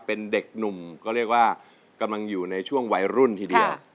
เป็นเด็กหนุ่มก็เรียกว่ากำลังอยู่ในช่วงวัยรุ่นทีเดียว